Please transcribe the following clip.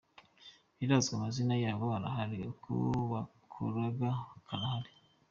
Birazwi amazina yabo arahari, aho bakoraga harahari.